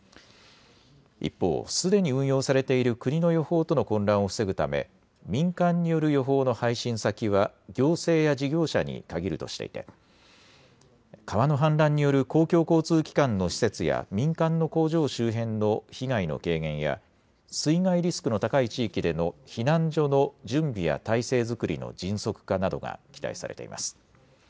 一方、すでに運用されている国の予報との混乱を防ぐため民間による予報の配信先は行政や事業者に限るとしていて川の氾濫による公共交通機関の施設や民間の工場周辺の被害の軽減や水害リスクの高い地域での避難所の準備や態勢づくりの迅速化などが期待されています。